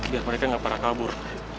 biar mereka gak parah kabur